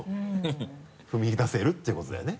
踏み出せるっていうことだよね？